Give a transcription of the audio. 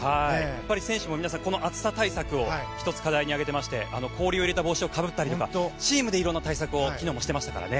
選手も皆さんこの暑さ対策を１つ、課題に挙げていまして氷を入れた帽子をかぶったりとかチームで色んな対策を昨日もしていましたからね。